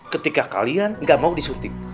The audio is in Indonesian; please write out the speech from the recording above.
ketika kalian gak mau disuntik